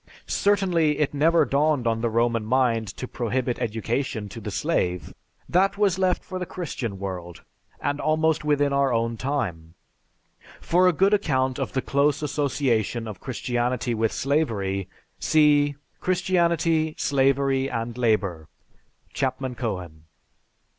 Certainly, it never dawned on the Roman mind to prohibit education to the slave. That was left for the Christian world, and almost within our own time." (For a good account of the close association of Christianity with slavery see, "_Christianity, Slavery, and Labor," Chapman Cohen.